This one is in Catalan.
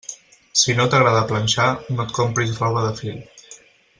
Si no t'agrada planxar, no et compris roba de fil.